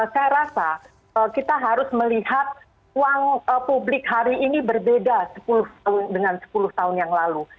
saya rasa kita harus melihat uang publik hari ini berbeda dengan sepuluh tahun yang lalu